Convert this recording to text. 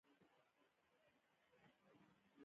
محلي تولیدات د هیواد په بازارونو کې پلورل کیږي.